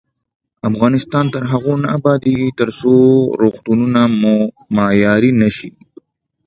افغانستان تر هغو نه ابادیږي، ترڅو روغتونونه مو معیاري نشي.